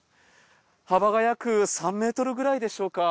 幅が約３ｍくらいでしょうか？